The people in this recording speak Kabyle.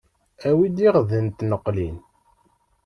Awi-d iɣden n tneqlin.